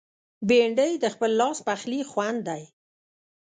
بېنډۍ د خپل لاس پخلي خوند دی